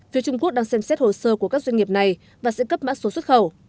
phía trung quốc đang xem xét hồ sơ của các doanh nghiệp này và sẽ cấp mã số xuất khẩu